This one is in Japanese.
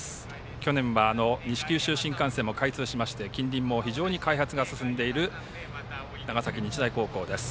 去年は西九州新幹線も開通しまして近隣も非常に開発が進んでいる長崎日大高校です。